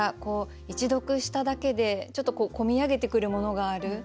一読しただけでちょっと込み上げてくるものがある。